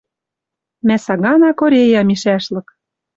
Мӓ сагана Корея мишӓшлык